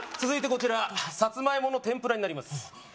続いてこちらサツマイモの天ぷらになります